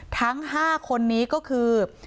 ทั้ง๕คนนี้ก็คือ